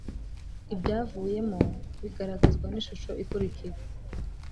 ibyavuyemo bigaragazwa n ishusho ikurikira